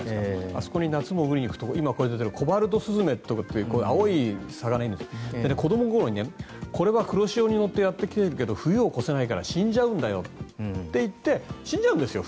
あそこに夏に潜りに行くと今、出てるコバルトスズメっていう青い魚がいるんですが子どもの頃にこれは黒潮に乗ってやってくるけど冬を越せないから死んじゃうんだよっていって死んじゃうんですよ